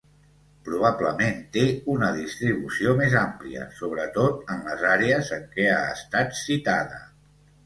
Probablement té una distribució més àmplia, sobretot en les àrees en què ha estat citada.